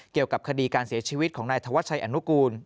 เกี่ยวกับคดีการเสียชีวิตของนายธวัชชัยอนุกูล